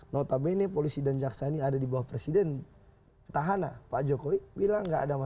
notabene polisi dan jaksa ini ada di bawah presiden petahana pak jokowi bilang enggak ada masalah